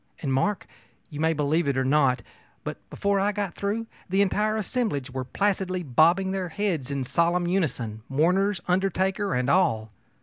And, Mark, you may believe it or not, but before I got through the entire assemblage were placidly bobbing their heads in solemn unison, mourners, undertaker, and all.